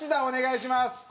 お願いします。